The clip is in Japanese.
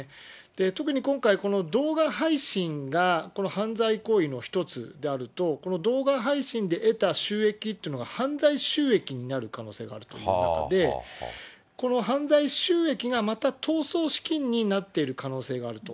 特に今回、この動画配信が犯罪行為の一つであると、この動画配信で得た収益というのが犯罪収益になる可能性があるという中で、この犯罪収益がまた逃走資金になっている可能性があると。